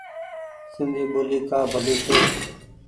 سندي ٻولي ڪآ ڀلي ڇي۔